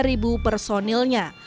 ardia putri herudwi sudarmanto